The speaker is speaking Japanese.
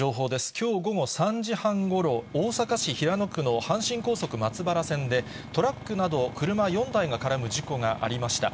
きょう午後３時半ごろ、大阪市平野区の阪神高速松原線で、トラックなど車４台が絡む事故がありました。